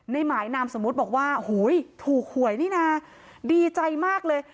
ในหมายนามสมมุติบอกว่าโหยถูกหวยนี่นะดีใจมากเลย